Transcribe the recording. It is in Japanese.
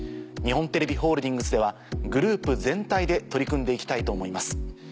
日本テレビホールディングスではグループ全体で取り組んで行きたいと思います。